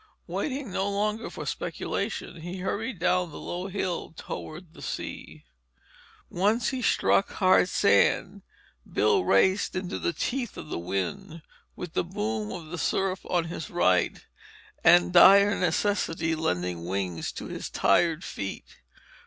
Waiting no longer for speculation, he hurried down the low hill toward the sea. Once he struck hard sand, Bill raced into the teeth of the wind, with the boom of the surf on his right, and dire necessity lending wings to his tired feet.